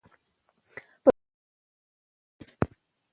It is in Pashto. پروژه پر وخت بشپړه شوه.